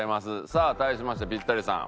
さあ対しましてピッタリさん